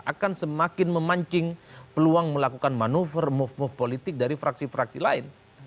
akan semakin memancing peluang melakukan manuver move move politik dari fraksi fraksi lain